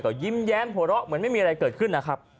ก็ยิ้มแย้มหัวเราะเหมือนไม่มีอะไรเกิดขึ้นนะครับ